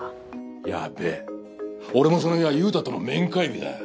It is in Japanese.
やべえ俺もその日は勇太との面会日だ。